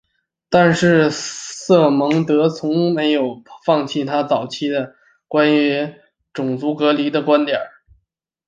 但是瑟蒙德从来没有放弃他早期的关于种族隔离的观点。